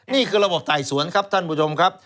นี่คือระบบไต่สวนครับท่านผู้ชมครับ